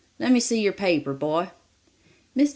Let me see your paper, boy." Mr.